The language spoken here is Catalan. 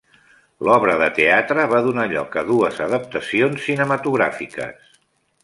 L'obra de teatre va donar lloc a dues adaptacions cinematogràfiques.